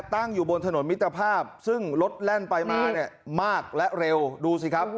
ตั้งอยู่บนถนนมิตรภาพซึ่งรถแล่นไปมาเนี่ยมากและเร็วดูสิครับ